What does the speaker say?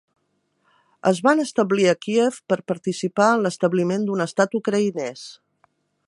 Es van establir a Kíev per participar en l'establiment d'un estat ucraïnès.